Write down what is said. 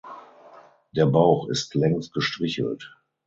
Der Bauch ist längs gestrichelt.